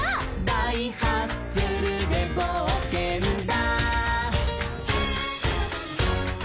「だいハッスルでぼうけんだ」